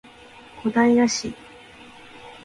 小平市